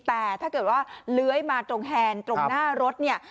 แต่ถ้าเกิดว่าเลื้อยมาตรงแฮนด์ตรงหน้ารถเนี่ย